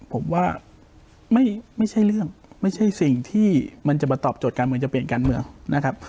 ผมว่าไม่ใช่เรื่องไม่ใช่สิ่งที่มันจะมาตอบโจทย์การเมืองจะเปลี่ยนการเมืองนะครับ